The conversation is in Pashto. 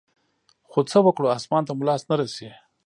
خو څه وكړو اسمان ته مو لاس نه رسي.